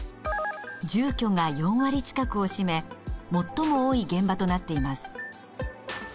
住居が４割近くを占め最も多い現場となっています。